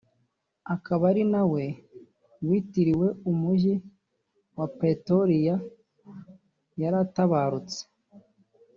akaba ari nawe witiriwe umujyi wa Pretoria yaratabarutse